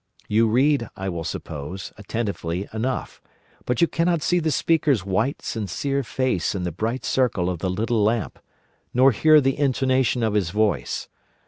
You read, I will suppose, attentively enough; but you cannot see the speaker's white, sincere face in the bright circle of the little lamp, nor hear the intonation of his voice.